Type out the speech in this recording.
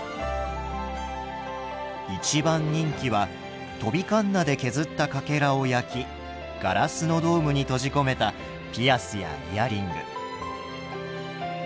一番人気は飛びかんなで削ったかけらを焼きガラスのドームに閉じ込めたピアスやイヤリング。